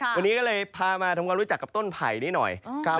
วันนี้ก็เลยพามาทำความรู้จักกับต้นไผ่นี้หน่อย